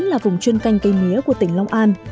là vùng chuyên canh cây mía của tỉnh long an